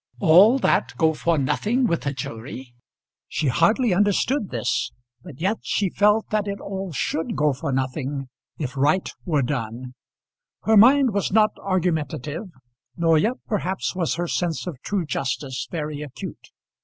All that go for nothing with a jury! She hardly understood this, but yet she felt that it all should go for nothing if right were done. Her mind was not argumentative, nor yet perhaps was her sense of true justice very acute.